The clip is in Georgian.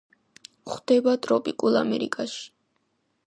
გვხვდება ტროპიკულ ამერიკაში.